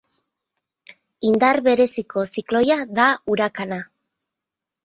Indar bereziko zikloia da urakana.